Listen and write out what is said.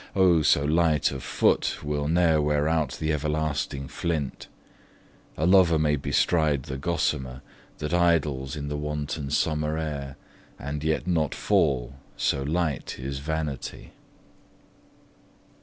Oh, so light of foot Will ne'er wear out the everlasting flint: A lover may bestride the gossamer, That idles in the wanton summer air, And yet not fall, so light is vanity.